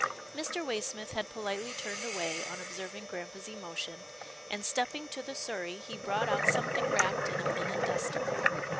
Mr. Waysmith had politely turned away on ob serving grampa's emotion, and, stepping to the sur rey, he brought out something wrapped in a linen duster.